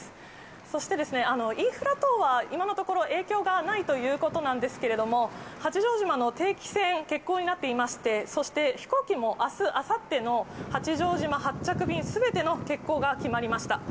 そして、インフラ等は今のところ影響がないということなんですけれども、八丈島の定期船、欠航になっていまして、そして、飛行機もあす、あさっての八丈島発着便、すべての欠航が決まりました。